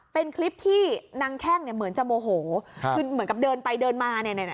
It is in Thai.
เป็นคลิปที่นางแข้งเนี่ยเหมือนจะโมโหคือเหมือนกับเดินไปเดินมาเนี่ย